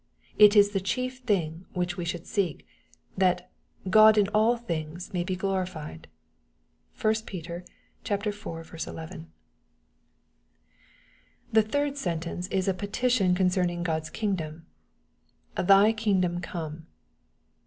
It is the chief thing we should seek, that " God in all things may be glorified." (1 Peter iv. 11.) The third sentence is a petition concerning Ood'a king dom :" thy kingdom come."